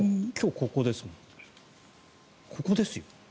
ここですよ。